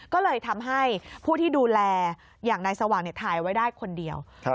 ก็เลยทำให้ผู้ที่ดูแลอย่างนายสว่างถ่ายไว้ได้คนเดียว